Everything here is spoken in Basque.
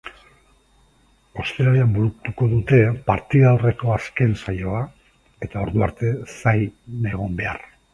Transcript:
Ostiralean burutuko dute partida aurreko azken saioa eta ordu arte zain egon behar.